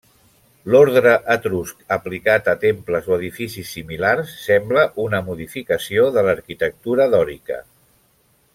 L'ordre etrusc aplicat a temples o edificis similars sembla una modificació de l'arquitectura dòrica.